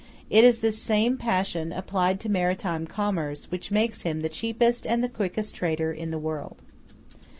It is this same passion, applied to maritime commerce, which makes him the cheapest and the quickest trader in the world.